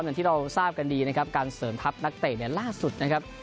อย่างที่เราทราบกันดีนะครับการเสริมทัพนักเตะเนี่ยล่าสุดนะครับ